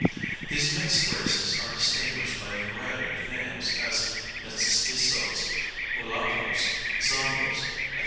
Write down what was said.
These mixed races are distinguished by a variety of names, as Mestizos, Mulattoes, Zambos, &c.